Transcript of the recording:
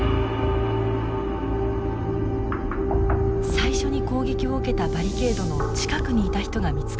最初に攻撃を受けたバリケードの近くにいた人が見つかりました。